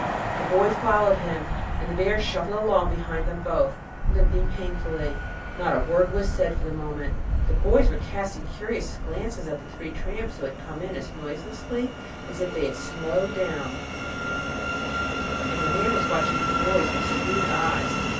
The boy followed him, and the bear shuffled along behind them both, limping painfully. Not a word was said for a moment. The boys were casting curious glances at the three tramps who had come in as noiselessly as if they had snowed down, and the man was watching the boys with shrewd eyes.